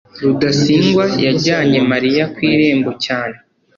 rudasingwa yajyanye mariya ku irembo cyane